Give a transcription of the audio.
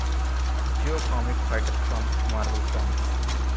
Joe comic title from Marvel Comics.